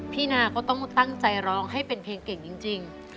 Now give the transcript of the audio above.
นาก็ต้องตั้งใจร้องให้เป็นเพลงเก่งจริง